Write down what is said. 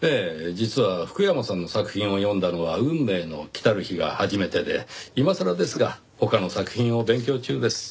実は福山さんの作品を読んだのは『運命の来たる日』が初めてで今さらですが他の作品を勉強中です。